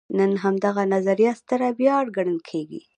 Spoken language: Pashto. نن همدغه نظریه ستره ویاړ ګڼل کېږي.